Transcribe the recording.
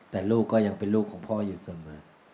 แต่ลูกก็ยังเป็นลูกของพ่ออยู่เสมอ